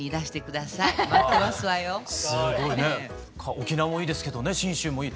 沖縄もいいですけどね信州もいい。